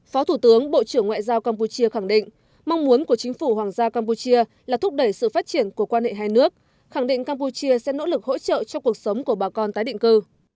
phó thủ tướng bộ trưởng ngoại giao campuchia khẳng định mong muốn của chính phủ hoàng gia campuchia là thúc đẩy sự phát triển của quan hệ hai nước khẳng định campuchia sẽ nỗ lực hỗ trợ cho cuộc sống của bà con tái định cư